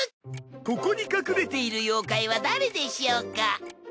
ここに隠れている妖怪は誰でしょうか？